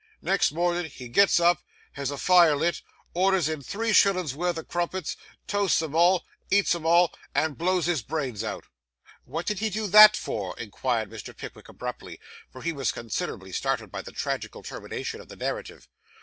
Next mornin' he gets up, has a fire lit, orders in three shillins' wurth o' crumpets, toasts 'em all, eats 'em all, and blows his brains out.' 'What did he do that for?' inquired Mr. Pickwick abruptly; for he was considerably startled by this tragical termination of the narrative.